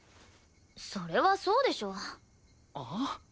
それはそうでしょ。はあ？